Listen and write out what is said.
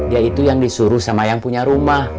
yaitu yang diperintahkan oleh milik rumah